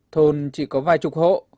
thôn chỉ có vài chục hộ